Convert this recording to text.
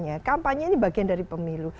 ya kampanye ini bagian dari pemilu